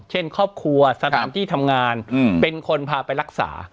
เช่นครอบครัวสถานที่ทำงานเป็นคนพาไปรักษา